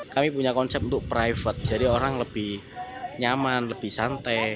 kami punya konsep untuk private jadi orang lebih nyaman lebih santai